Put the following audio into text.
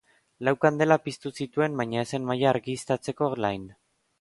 Lau kandela piztu zituen baina ez zen mahaia argiztatzeko lain.